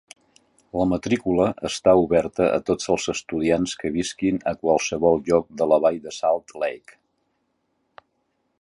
La matrícula està oberta a tots els estudiants que visquin a qualsevol lloc de la vall de Salt Lake.